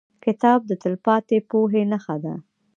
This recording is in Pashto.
کتاب د تلپاتې پوهې نښه ده.